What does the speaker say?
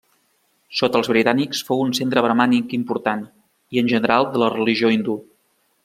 Sota els britànics fou un centre bramànic important i en general de la religió hindú.